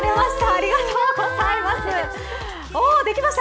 ありがとうございます。